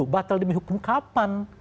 batal demi hukum kapan